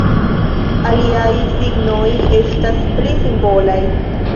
Aliaj signoj estas pli simbolaj.